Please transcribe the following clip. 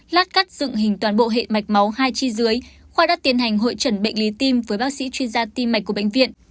lát cắt dựng hình toàn bộ hệ mạch máu hai chi dưới khoa đã tiến hành hội trần bệnh lý tim với bác sĩ chuyên gia tim mạch của bệnh viện